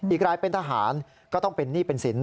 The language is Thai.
อีกรายเป็นทหารก็ต้องเป็นหนี้เป็นสิน